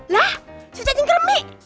lah si cacing kremik